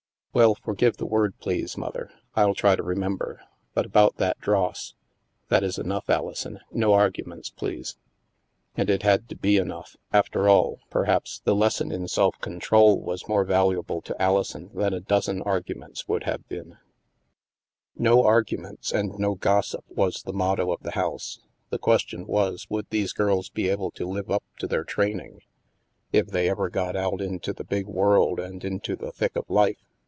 " Well, forgive the word, please. Mother. I'll try to remember. But about that dross ..." "That is enough, Alison. No arguments, please." And it had to be enough. After all, perhaps the lesson in self control was more valuable to Alison than a dozen arguments would have been. STILL WATERS 51 "No arguments and no gossip," was the motto of the house. The question was, would these girls be able to live up to their training, if they ever got out into the big world and into the thick of life?